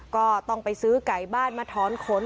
ก็ต้องไปซื้อไก่บ้านมาถอนขน